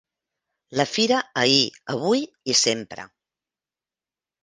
La fira ahir, avui i sempre.